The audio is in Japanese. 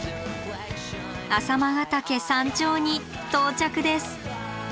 朝熊ヶ岳山頂に到着です。